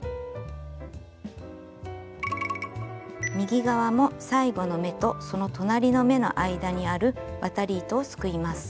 右側も最後の目とその隣の目の間にある渡り糸をすくいます。